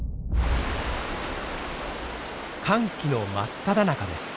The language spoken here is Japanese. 乾季の真っただ中です。